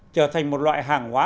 trở thành một loại hàng hóa